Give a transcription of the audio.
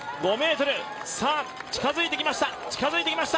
近づいてきました！